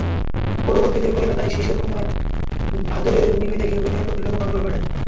পরবর্তীতে কলকাতায় শিশির কুমার ভাদুড়ীর অভিনয় দেখে অভিনয়ের প্রতি ব্যাপক আগ্রহ বাড়ে।